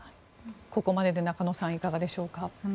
ここまでで中野さんいかがでしょうか。